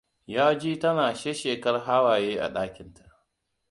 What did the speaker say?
Ya ji tana shesshekar hawaye a ɗakinta.